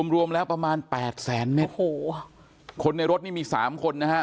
รวมแล้วประมาณแปดแสนเมตรโอ้โหคนในรถนี่มีสามคนนะฮะ